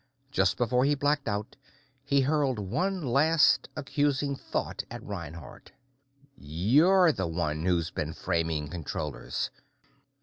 Just before he blacked out, he hurled one last accusing thought at Reinhardt. "You're the one who's been framing Controllers!"